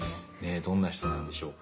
どんな人なんでしょうか。